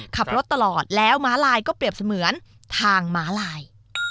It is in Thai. ขับรถตลอดแล้วม้าลายก็เปรียบเสมือนทางม้าลาย